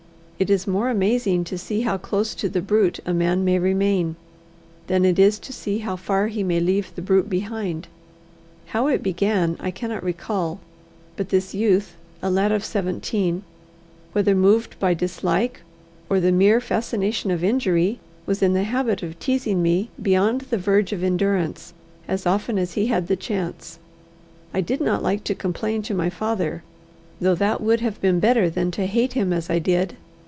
It is more amazing to see how close to the brute a man may remain than it is to see how far he may leave the brute behind. How it began I cannot recall; but this youth, a lad of seventeen, whether moved by dislike or the mere fascination of injury, was in the habit of teasing me beyond the verge of endurance as often as he had the chance. I did not like to complain to my father, though that would have been better than to hate him as I did.